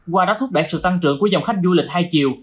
qua đáp thuốc đại sự tăng trưởng của dòng khách du lịch hai chiều